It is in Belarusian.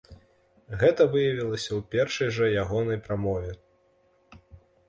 Гэта выявілася ў першай жа ягонай прамове.